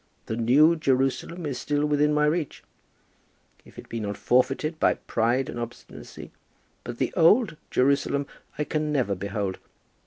The new Jerusalem is still within my reach, if it be not forfeited by pride and obstinacy; but the old Jerusalem I can never behold.